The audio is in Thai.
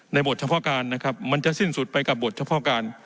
บทเฉพาะการนะครับมันจะสิ้นสุดไปกับบทเฉพาะการ